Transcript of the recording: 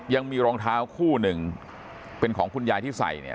ยังมีรองเท้าคู่หนึ่งเป็นของคุณยายที่ใส่เนี่ย